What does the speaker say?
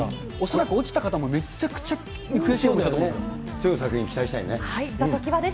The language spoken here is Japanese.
恐らく落ちた方もめちゃくちゃ悔しい思いしたと思います。